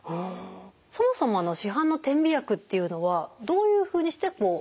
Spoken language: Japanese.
そもそも市販の点鼻薬っていうのはどういうふうにして鼻づまりを解消してるんですか？